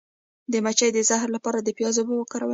د مچۍ د زهر لپاره د پیاز اوبه وکاروئ